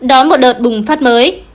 đó là một đợt bùng phát mới